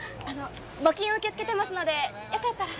募金を受け付けてますのでよかったら。